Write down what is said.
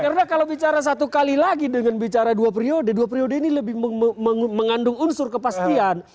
karena kalau bicara satu kali lagi dengan bicara dua periode dua periode ini lebih mengandung unsur kepastian